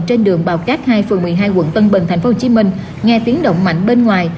trên đường bào cát hai phường một mươi hai quận tân bình tp hcm nghe tiếng động mạnh bên ngoài